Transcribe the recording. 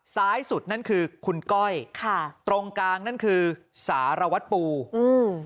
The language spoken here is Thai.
ซ้ายสุดนั่นคือคุณก้อยค่ะตรงกลางนั่นคือสารวัตรปูอืม